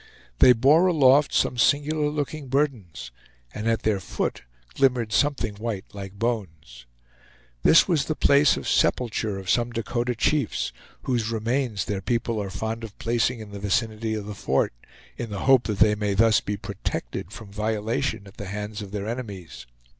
They bore aloft some singular looking burdens; and at their foot glimmered something white like bones. This was the place of sepulture of some Dakota chiefs, whose remains their people are fond of placing in the vicinity of the fort, in the hope that they may thus be protected from violation at the hands of their enemies.